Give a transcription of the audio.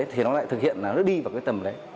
thì nó lại thực hiện nó đi vào cái tầm đấy